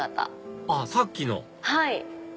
あっさっきのはい。